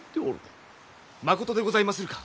まことでございまするか。